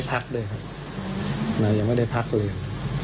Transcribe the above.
พักด้วยครับยังไม่ได้พักเลย